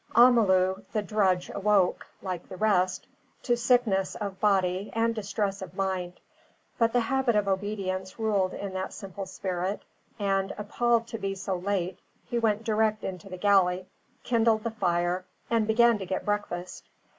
Amalu the drudge awoke (like the rest) to sickness of body and distress of mind; but the habit of obedience ruled in that simple spirit, and appalled to be so late, he went direct into the galley, kindled the fire, and began to get breakfast.